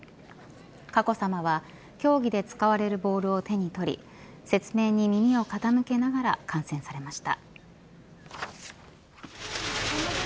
佳子さまは競技で使われるボールを手に取り説明に耳を傾けながら観戦されました。